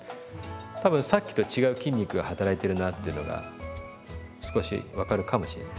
多分さっきと違う筋肉が働いてるなっていうのが少し分かるかもしれない。